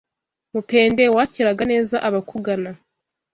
Mupende wakiraga neza abakugana,